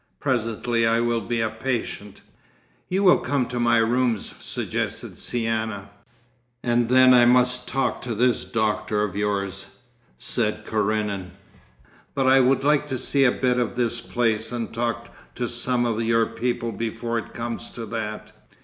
Presently I will be a patient.' 'You will come to my rooms?' suggested Ciana. 'And then I must talk to this doctor of yours,' said Karenin. 'But I would like to see a bit of this place and talk to some of your people before it comes to that.